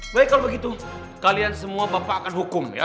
baik kalau begitu kalian semua bapak akan hukum ya